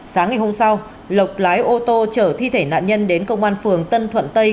sáng ngày hôm sau lộc lái ô tô chở thi thể nạn nhân đến công an phường tân thuận tây